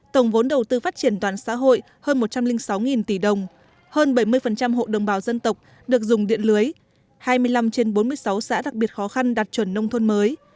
tổng vốn đầu tư phát triển toàn xã hội hơn một trăm linh sáu tỷ đồng hơn bảy mươi hộ đồng bào dân tộc được dùng điện lưới hai mươi năm trên bốn mươi sáu xã đặc biệt khó khăn đạt chuẩn nông thôn mới